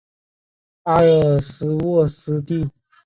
埃尔斯沃思地。